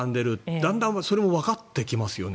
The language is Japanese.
だんだんそれもわかってきますよね。